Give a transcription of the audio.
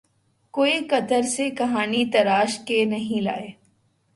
کوئی قطر سے کہانی تراش کے نہیں لائے۔